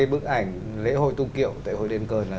bức ảnh lễ hội tung kiệu lễ hội đền cơn